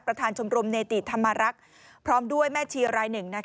ประธานชมรมเนติธรรมรักพร้อมด้วยแม่ชีวรายหนึ่ง